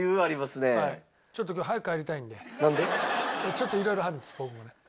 ちょっといろいろあるんです僕もね。